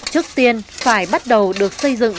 trước tiên phải bắt đầu được xây dựng